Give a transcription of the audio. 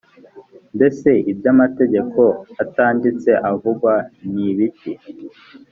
mbese iby’amategeko atanditse avugwa ni ibiki?